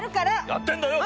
やってんだよ